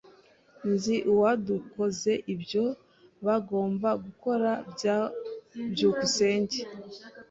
Nzi uwudakoze ibyo bagombaga gukora. byukusenge